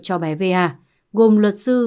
cho bé va gồm luật sư